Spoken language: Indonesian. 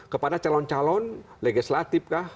kepada calon calon legislatif kah